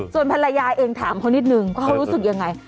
ส่วนภรรยาเองถามเขานิดนึงว่าเขารู้สึกยังไง